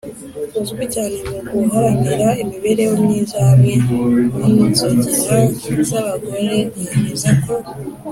uzwi cyane mu guharanira imibereho myiza hamwe n’inzogera z’abagore yemeza ko,